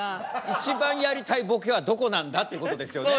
一番やりたいボケはどこなんだってことですよね。